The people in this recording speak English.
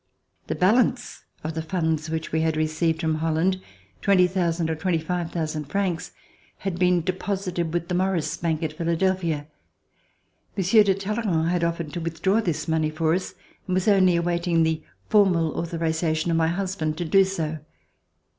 The balance of the funds which we had received from Holland, 20,000 or 25,000 francs, had been deposited with the Morris Bank at Philadelphia. Monsieur de Talleyrand had offered to withdraw this money for us, and was only awaiting the formal authorization of my husband to do so.